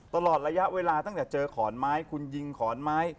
ตลอดระยะเวลาตั้งแต่เจอขอนไม้คุณยิงขอนไม้